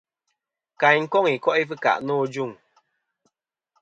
Kayn koŋ i ko'i fɨkà nô ajuŋ.